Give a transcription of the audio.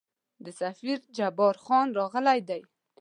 د سفیر جبارخان راغلی دی.